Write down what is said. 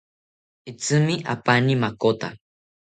Itzimi apaani makota